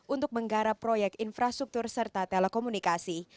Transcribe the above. untuk menggarap proyek infrastruktur serta telekomunikasi